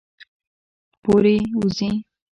پورې ، وځي